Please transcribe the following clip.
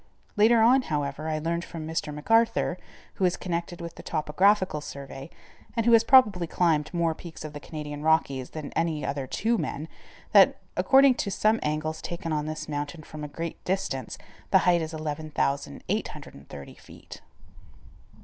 Later on, however, I learned from Mr. McArthur, who is connected with the Topographical Survey, and who has probably climbed more peaks of the Canadian Rockies than any other two men, that, according to some angles taken on this mountain from a great distance, the height is 11,830 feet.